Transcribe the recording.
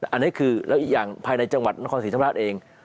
อันนี้คือแล้วอีกอย่างภายในจังหวัดนครศรีธรรมราชเอง